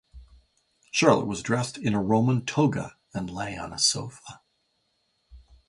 Charlotte was dressed in a Roman toga and lay on a sofa.